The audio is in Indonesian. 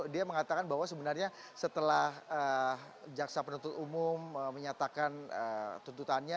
dia mengatakan bahwa sebenarnya setelah jaksa penuntut umum menyatakan tuntutannya